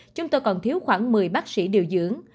chúng tôi còn thiếu khoảng một mươi bác sĩ điều dưỡng